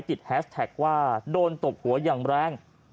แฮสแท็กว่าโดนตบหัวอย่างแรง